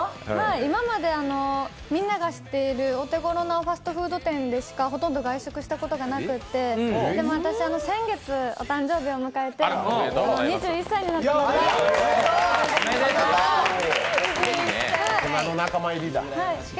今までみんなが知っているお手頃のファストフード店でしかほとんど外食したことがなくてでも私先月お誕生日を迎えて２１歳になりました。